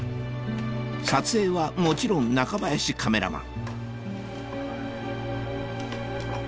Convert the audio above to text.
撮影はもちろん中林カメラマン